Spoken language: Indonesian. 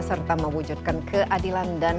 serta mewujudkan keadilan dan